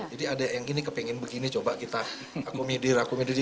jadi ada yang ini kepengen begini coba kita akomidir akomidir